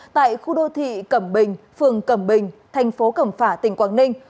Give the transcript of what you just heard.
tại khu đô thị cẩm bình phường cẩm bình thành phố cẩm phả tỉnh quảng ninh